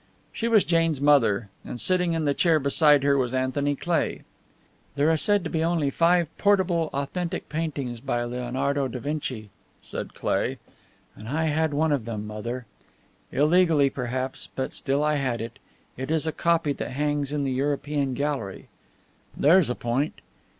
She was Jane's mother, and sitting in the chair beside her was Anthony Cleigh. "There are said to be only five portable authentic paintings by Leonardo da Vinci," said Cleigh, "and I had one of them, Mother. Illegally, perhaps, but still I had it. It is a copy that hangs in the European gallery. There's a point.